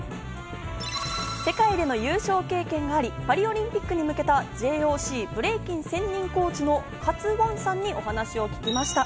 世界での優勝経験もありパリオリンピックに向けたＪＯＣブレイキン専任コーチのＫＡＴＳＵＯＮＥさんに話を聞きました。